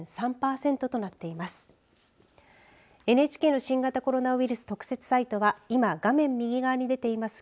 ＮＨＫの新型コロナウイルス特設サイトは今、画面右側に出ています